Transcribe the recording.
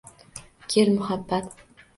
Kel, muhabbat